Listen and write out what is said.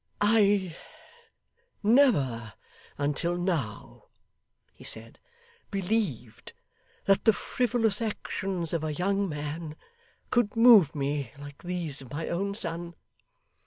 'I never until now,' he said, 'believed, that the frivolous actions of a young man could move me like these of my own son.